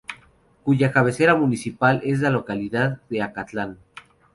Cuya cabecera municipal es la localidad de Acatlán.